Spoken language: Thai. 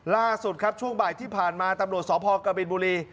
ล่าสุดครับช่วงบ่ายที่ผ่านมาตำรวจสพกบินบุรี